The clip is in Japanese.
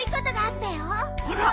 あら。